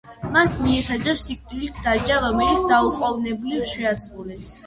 მას მიესაჯა სიკვდილით დასჯა, რომელიც დაუყოვნებლივ შეასრულეს.